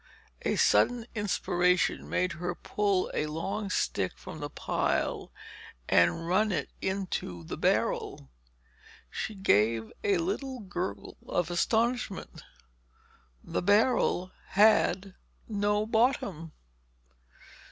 A sudden inspiration made her pull a long stick from the pile and run it into the barrel. She gave a little gurgle of astonishment. The barrel had no bottom.